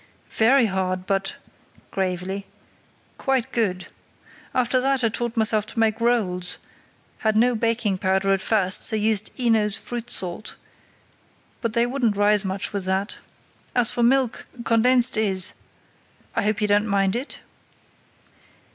"Very hard, but" (gravely) "quite good. After that I taught myself to make rolls; had no baking powder at first, so used Eno's fruit salt, but they wouldn't rise much with that. As for milk, condensed is—I hope you don't mind it?"